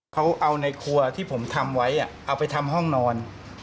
เขาเอาในครัวที่ผมทำไว้เอาไปทำห้องนอน